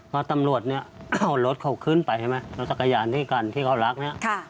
เพราะตำรวจเนี่ยเอารถเขาขึ้นไปใช่ไหมรถจักรยานด้วยกันที่เขารักเนี่ย